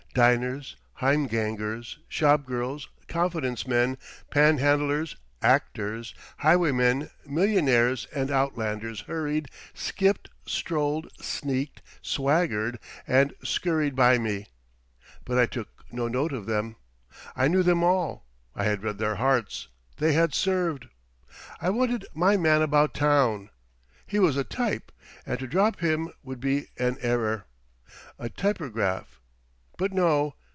Diners, heimgangers, shop girls, confidence men, panhandlers, actors, highwaymen, millionaires and outlanders hurried, skipped, strolled, sneaked, swaggered and scurried by me; but I took no note of them. I knew them all; I had read their hearts; they had served. I wanted my Man About Town. He was a type, and to drop him would be an error—a typograph—but no!